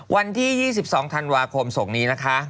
วันที่๒๒ธันวาคมส่งนี้นะคะ